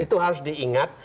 itu harus diingat